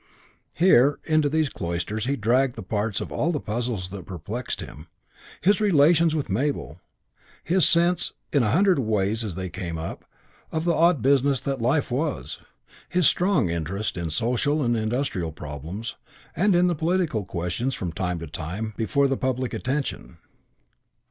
Here, into these cloisters, he dragged the parts of all the puzzles that perplexed him; his relations with Mabel; his sense, in a hundred ways as they came up, of the odd business that life was; his strong interest in the social and industrial problems, and in the political questions from time to time before the public attention.